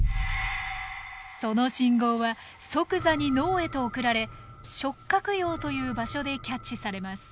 その信号は即座に脳へと送られ触角葉という場所でキャッチされます。